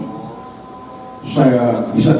saya bisa dikatakan sebagai